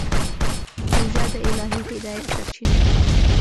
روژه د الهي هدایت سرچینه ده.